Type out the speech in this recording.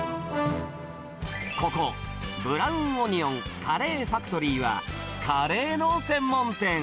ここ、ブラウンオニオンカレーファクトリーは、カレーの専門店。